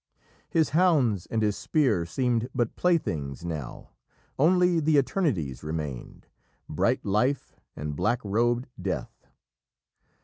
His hounds and his spear seemed but playthings now. Only the eternities remained bright Life, and black robed Death.